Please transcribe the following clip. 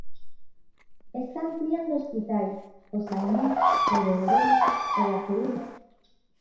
Está ampliando hospitais: O Salnés, o de Ourense, o da Coruña.